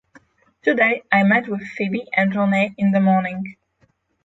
Today I meet with Febe and Roné in the morning.